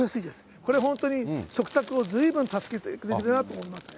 これ本当に、食卓をずいぶん助けてくれてるなと思いますね。